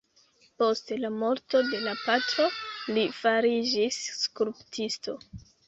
Post la morto de la patro li fariĝis skulptisto.